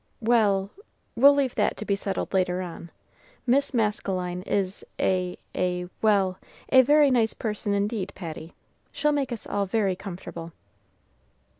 "Well we'll leave that to be settled later on. Miss Maskelyne is a a well, a very nice person indeed, Patty. She'll make us all very comfortable."